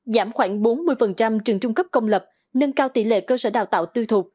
giảm khoảng bốn mươi trường trung cấp công lập nâng cao tỷ lệ cơ sở đào tạo tư thuộc